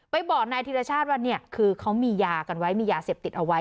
บอกนายธิรชาติว่าเนี่ยคือเขามียากันไว้มียาเสพติดเอาไว้